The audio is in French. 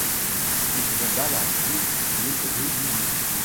Il fonda la ville de Rubidoux.